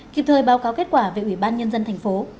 kịp thời báo cáo kết quả về ủy ban nhân dân tp